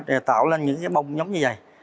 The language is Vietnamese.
để tạo lên những cái bông giống như vậy